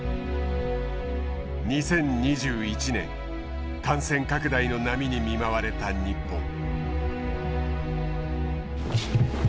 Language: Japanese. ２０２１年感染拡大の波に見舞われた日本。